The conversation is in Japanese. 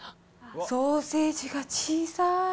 ソーセージが小さい。